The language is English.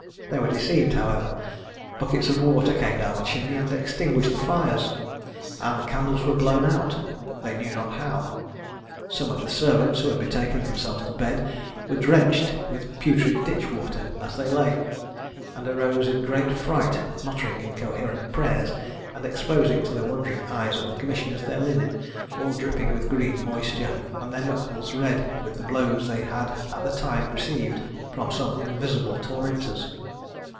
They were deceived, however: buckets of water came down the chimneys and extinguished the fires, and the candles were blown out, they knew not how. Some of the servants who had betaken themselves to bed were drenched with putrid ditch water as they lay; and arose in great fright, muttering incoherent prayers, and exposing to the wondering eyes of the commissioners their linen all dripping with green moisture, and their knuckles red with the blows they had at the same time received from some invisible tormentors.